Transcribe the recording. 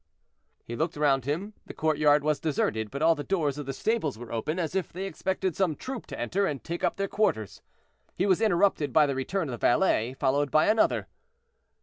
He looked round him; the courtyard was deserted, but all the doors of the stables were open, as if they expected some troop to enter and take up their quarters. He was interrupted by the return of the valet, followed by another.